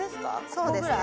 そうですね。